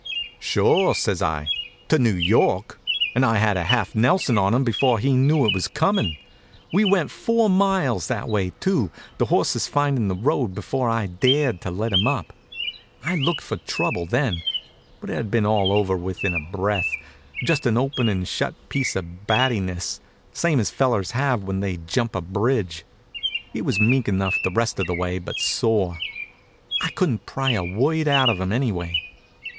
"Sure," says I, "to New York," and I had a half Nelson on him before he knew it was coming. We went four miles that way, too, the horses finding the road, before I dared let him up. I looked for trouble then. But it had been all over in a breath, just an open and shut piece of battiness, same as fellers have when they jump a bridge. He was meek enough the rest of the way, but sore. I couldn't pry a word out of him anyway.